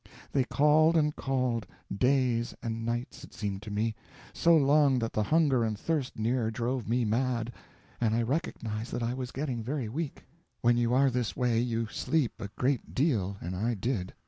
They called and called days and nights, it seemed to me. So long that the hunger and thirst near drove me mad, and I recognized that I was getting very weak. When you are this way you sleep a great deal, and I did.